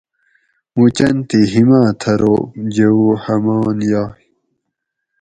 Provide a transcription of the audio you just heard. مُوچۤن تھی ہِماۤں تۤھروپ جوؤ ہمان یائی